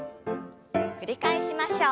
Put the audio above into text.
繰り返しましょう。